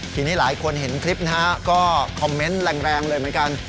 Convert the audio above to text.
ทีนี้หลายคนเห็นคลิปนะฮะก็คอมเมนต์แรงเลยเหมือนกัน